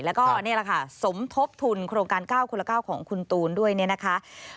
แล้วก็นี่แหละค่ะสมทบทุนโครงการ๙คนละ๙ของคุณตูนด้วยเนี่ยนะคะ